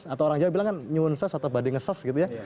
atau orang jawa bilang kan nyun ses atau banding ngeses gitu ya